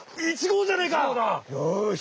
よし！